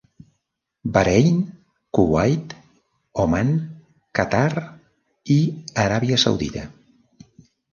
Bahrain, Kuwait, Oman, Qatar i Aràbia Saudita.